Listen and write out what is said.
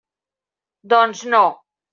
Doncs no.